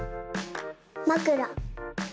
まくら。